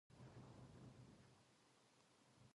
お茶を飲む